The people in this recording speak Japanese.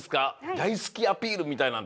だいすきアピールみたいなんて。